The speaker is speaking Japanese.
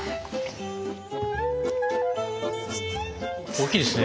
大きいですね。